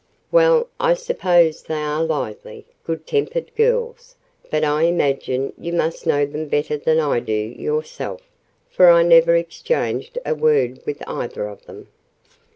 "Well, I suppose they are lively, good tempered girls; but I imagine you must know them better than I do, yourself, for I never exchanged a word with either of them."